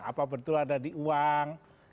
apa betul ada di uang